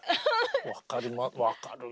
分かるな。